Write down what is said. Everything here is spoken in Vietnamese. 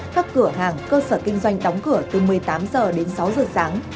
các cửa hàng cơ sở kinh doanh đóng cửa từ một mươi tám h đến sáu giờ sáng